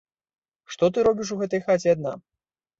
Што ты робіш у гэтай хаце адна?